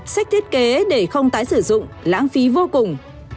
sách thiết kế để không tái sử dụng lãng phí vô cùng